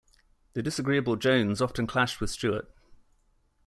The disagreeable Jones often clashed with Stuart.